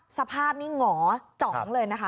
สภาพนี้หงอเจาะเลยนะคะ